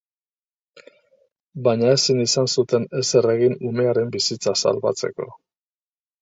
Baina ezin izan zuten ezer egin umearen bizitza salbatzeko.